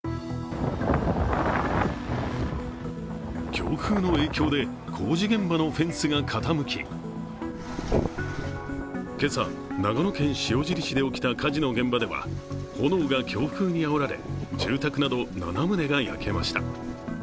強風の影響で工事現場のフェンスが傾き、今朝、長野県塩尻市で起きた火事の現場では炎が強風にあおられ、住宅など７棟が焼けました。